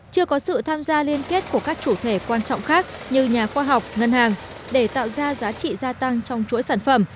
chưa có sự tham gia liên kết của các chủ thể quan trọng khác như nhà khoa học ngân hàng để tạo ra giá trị gia tăng trong chuỗi sản phẩm